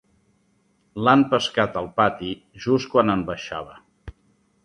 L'han pescat al pati just quan en baixava.